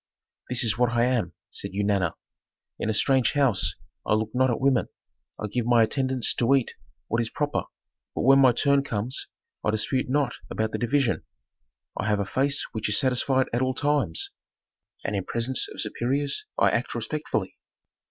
"This is what I am," said Eunana. "In a strange house I look not at women. I give my attendants to eat what is proper, but when my turn comes I dispute not about the division. I have a face which is satisfied at all times, and in presence of superiors I act respectfully.